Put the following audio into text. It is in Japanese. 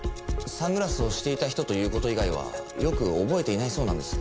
サングラスをしていた人という事以外はよく覚えていないそうなんです。